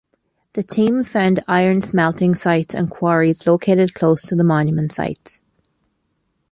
The team found iron smelting sites and quarries located close to the monument sites.